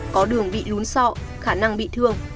có đường bị lún so khả năng bị thương